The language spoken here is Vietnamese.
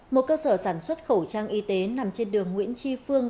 một cơ sở sản xuất khẩu trang y tế nằm trên đường nguyễn tri phương